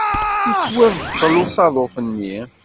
Yettwabṭel usaḍuf-nni.